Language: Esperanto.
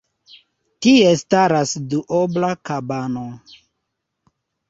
Tie staras duobla kabano.